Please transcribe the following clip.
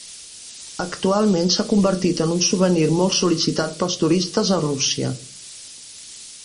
Actualment s'ha convertit en un souvenir molt sol·licitat pels turistes a Rússia.